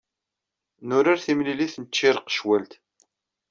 Nurar timlilit n tcirqecwalt.